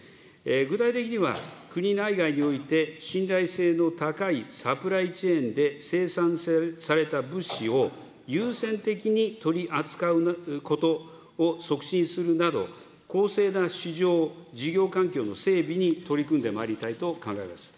具体的には、国内外において信頼性の高いサプライチェーンで生産された物資を、優先的に取り扱うことを促進するなど、公正な市場、事業環境の整備に取り組んでまいりたいと考えます。